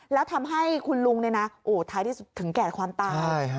แล้วทำให้คุณลุงท้ายที่สุดถึงแก่ความตาย